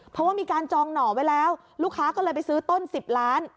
เพราะว่ามีการจองหน่อไว้แล้วลูกค้าก็เลยไปซื้อต้น๑๐ล้าน